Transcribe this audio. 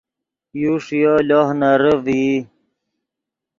یو ݰییو لوہ نرے ڤئی